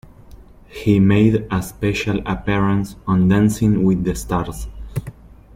He made a special appearance on Dancing With The Stars.